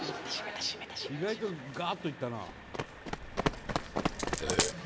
意外とガーッといったな。